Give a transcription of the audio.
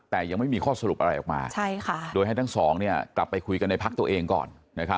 แต่ยังไม่มีข้อสรุปอะไรออกมาโดยให้ทั้งสองกลับไปคุยกันในพักตัวเองก่อน